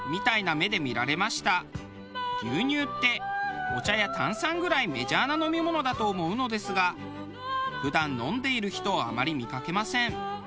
牛乳ってお茶や炭酸ぐらいメジャーな飲み物だと思うのですが普段飲んでいる人をあまり見かけません。